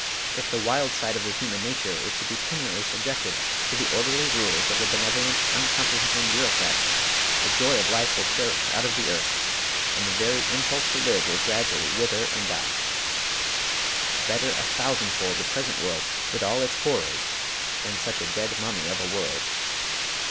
If the wild side of human nature is to be permanently subjected to the orderly rules of the benevolent, uncomprehending bureaucrat, the joy of life will perish out of the earth, and the very impulse to live will gradually wither and die. Better a thousandfold the present world with all its horrors than such a dead mummy of a world.